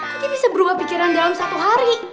kok dia bisa berubah pikiran dalam satu hari